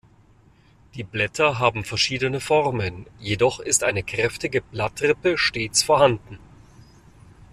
Die Blätter haben verschiedene Formen, jedoch ist eine kräftige Blattrippe stets vorhanden.